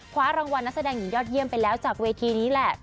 คว้ารางวัลนักแสดงอย่างยอดเยี่ยมไปแล้วจากเวทีนี้แหละ